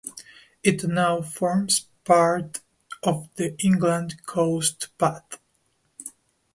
It now forms part of the England Coast Path.